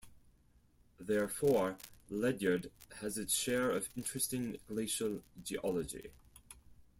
Therefore, Ledyard has its share of interesting glacial geology.